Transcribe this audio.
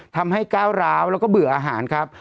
ก้าวร้าวแล้วก็เบื่ออาหารครับ